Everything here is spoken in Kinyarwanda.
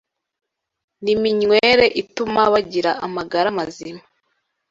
n’iminywere ituma bagira amagara mazima.